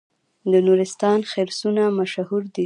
د نورستان خرسونه مشهور دي